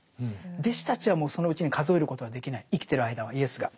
弟子たちはもうそのうちに数えることはできない生きてる間はイエスが。